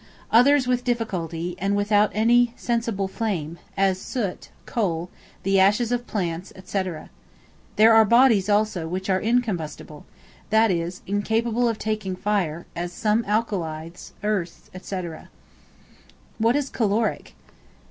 others with difficulty, and without any sensible flame, as soot, coal, the ashes of plants, &c. There are bodies, also, which are incombustible that is, incapable of taking fire, as some alkalies, earths, &c. What is Caloric?